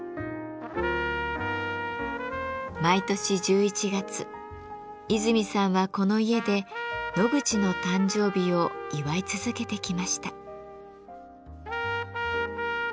毎年１１月和泉さんはこの家でノグチの誕生日を祝い続けてきました。